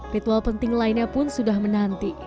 ritual penting lainnya pun sudah menanti